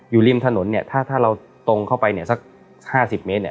อยู่ริมถนนเนี้ยถ้าถ้าเราตรงเข้าไปเนี้ยสักห้าสิบเมตรเนี้ย